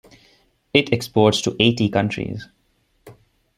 It exports to eighty countries.